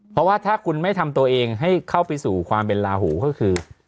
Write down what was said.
เพราะว่าถ้าคุณไม่ทำตัวเองให้เข้าไปสู่ความเป็นลาหูก็คือ